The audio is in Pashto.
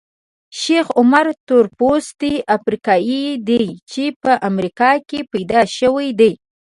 شیخ عمر تورپوستی افریقایي دی چې په امریکا کې پیدا شوی دی.